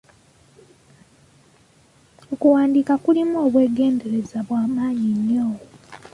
Okuwandiika kulimu obwegendereza bwa maanyi nnyo!